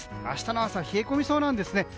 明日の朝、冷え込みそうなんです。